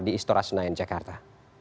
di istora senayan jakarta